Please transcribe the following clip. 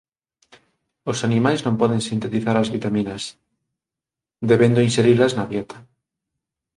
Os animais non poden sintetizar as vitaminas, debendo inxerilas na dieta.